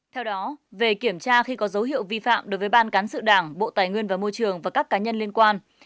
theo đó về kiểm tra khi có dấu hiệu vi phạm đối với ban cán sự đảng bộ tài nguyên và môi trường và các cá nhân liên quan